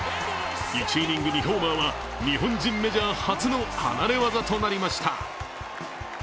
１イニング２ホーマーは日本人メジャー初の離れ業となりました。